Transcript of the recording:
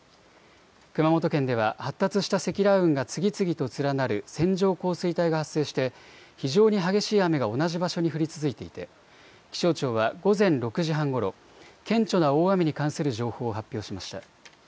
熊本県では発達した積乱雲が次々と連なる線状降水帯が発生して非常に激しい雨が同じ場所に降り続いていて気象庁は午前６時半ごろ、顕著な大雨に関する情報を発表しました。